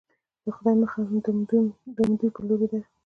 د خدای مخه د همدوی په لورې ده.